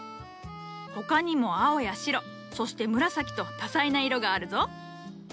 他にも青や白そして紫と多彩な色があるぞ。